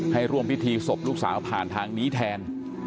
ให้ร่วมพิธีศพลูกสาวผ่านทางนี้แทน